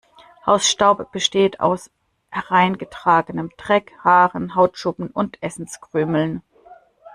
Hausstaub besteht aus hereingetragenem Dreck, Haaren, Hautschuppen und Essenskrümeln.